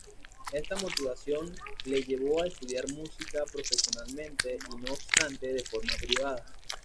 Esta motivación le llevó a estudiar música profesionalmente y no obstante, de forma privada.